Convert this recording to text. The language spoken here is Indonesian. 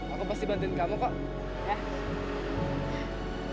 aku pasti bantuin kamu kok